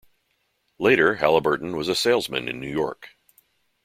Later, Halliburton was a salesman in New York.